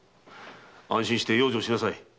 安心して養生しなさい。